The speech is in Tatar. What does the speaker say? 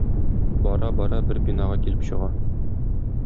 Бара-бара бер бинага килеп чыга.